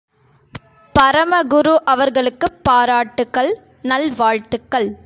பரமகுரு அவர்களுக்குப் பாராட்டுக்கள், நல்வாழ்த்துக்கள்.